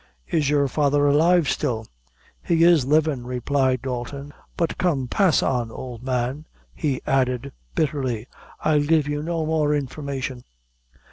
"Is your father alive still?" "He is livin'," replied Dalton; "but come pass on, ould man," he added, bitterly; "I'll give you no more information."